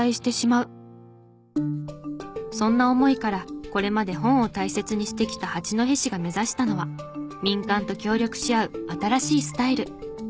そんな思いからこれまで本を大切にしてきた八戸市が目指したのは民間と協力し合う新しいスタイル。